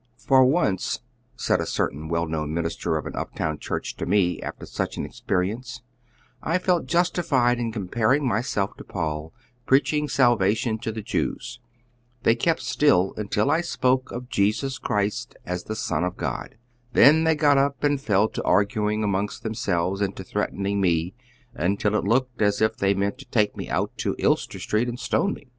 "For once," said a certain weli known minister of an uptown church to me, after such an experience, "I felt justiiiod in comparing myself to Paul preaching salvation to the Jews. They kept still nntil I spoke of Jesus Christ as the Son of God. Then they got up and fell to arguing among themselves and to threatening n»e, until it looked as if they meant to take me out in Hester Street and stone me."